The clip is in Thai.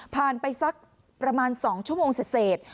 ผ่านไปสักประมาณ๒ชั่วโมงเศษ